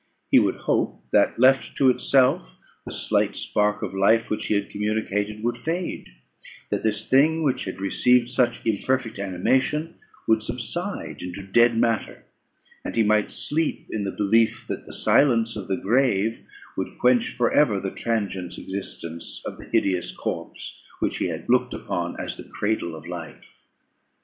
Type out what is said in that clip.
He would hope that, left to itself, the slight spark of life which he had communicated would fade; that this thing, which had received such imperfect animation, would subside into dead matter; and he might sleep in the belief that the silence of the grave would quench for ever the transient existence of the hideous corpse which he had looked upon as the cradle of life.